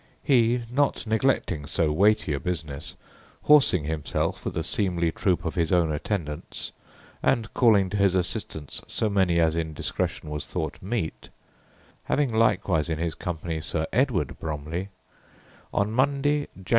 He, not neglecting so a weighty a business, horsing himself with a seemly troop of his own attendants, and calling to his assistance so many as in discretion was thought meet, having likewise in his company Sir Edward Bromlie, on Monday, Jan.